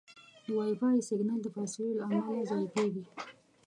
د وائی فای سګنل د فاصلو له امله ضعیفېږي.